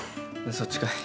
そっちかい。